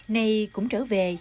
nay cũng trở về